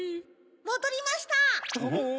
もどりました！